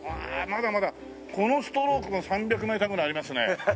まだまだこのストロークも３００メーターぐらいありますね。